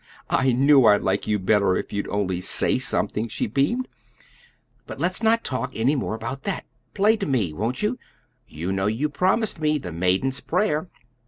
I knew I'd like you better if you'd only SAY something," she beamed. "But let's not talk any more about that. Play to me; won't you? You know you promised me 'The Maiden's Prayer.'"